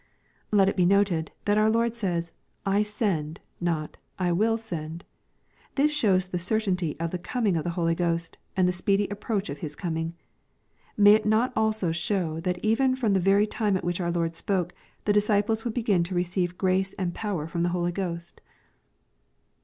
Let it be noted, that our Lord says, " I send," — not " I will send." This shows the certainty of the coming of the Uoly Ghost, and the speedy approach of His coming. May it not also show tliat even from the very time at which our Lord spoke, the disciples would begin to receive grace and power from the Holy Ghost.